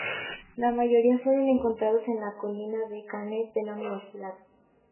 La mayoría fueron encontrados en la Colina de Carnegie y de la Universidad.